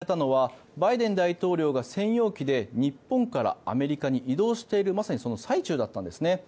今回のミサイルが発射されたのはバイデン大統領が専用機で日本からアメリカに移動しているまさにその最中だったんですね。